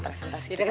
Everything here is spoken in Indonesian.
presentasi kita ya